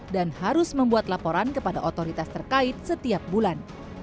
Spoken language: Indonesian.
dan harus membuat laporan kepada otoritas terkait setiap bulan